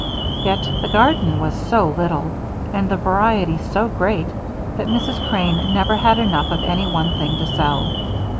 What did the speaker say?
Yet the garden was so little, and the variety so great, that Mrs. Crane never had enough of any one thing to sell.